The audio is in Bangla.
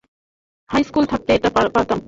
হাই স্কুলে থাকতে এটা পরতাম।